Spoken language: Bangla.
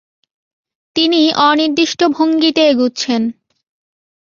তিনি অনির্দিষ্ট ভঙ্গিতে এগুচ্ছেন।